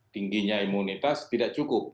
tingginya imunitas tidak cukup